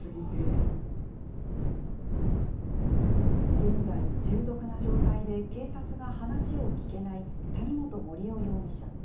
現在、重篤な状態で警察が話を聴けない谷本盛雄容疑者。